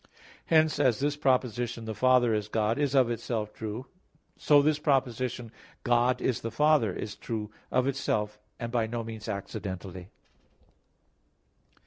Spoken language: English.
Hence, as this proposition, "The Father is God" is of itself true, so this proposition "God is the Father" is true of itself, and by no means accidentally.